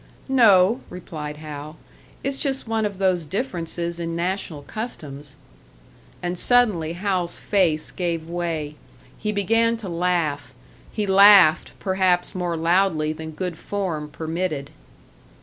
"No," replied Hal, "it's just one of those differences in national customs." And suddenly Hal's face gave way. He began to laugh; he laughed, perhaps more loudly than good form permitted.